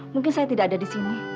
mungkin saya tidak ada di sini